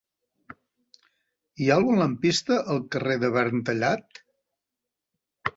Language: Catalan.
Hi ha algun lampista al carrer de Verntallat?